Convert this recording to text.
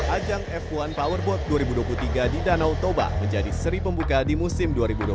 ajang f satu powerboat dua ribu dua puluh tiga di danau toba menjadi seri pembuka di musim dua ribu dua puluh